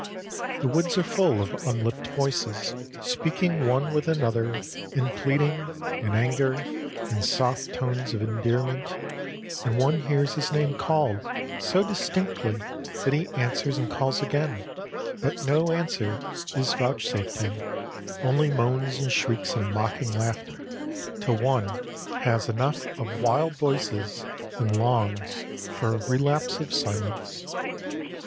The woods are full of unlipped voices speaking one with another in pleading, in anger, in soft tones of endearment; and one hears his name called so distinctly that he answers and calls again, but no answer is vouchsafed him, only moans and shrieks and mocking laughter, till one has enough of wild voices and longs for a relapse of silence.